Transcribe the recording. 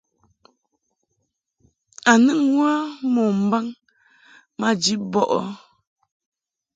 A nɨŋ wə mo mbaŋ maji bɔʼɨ ?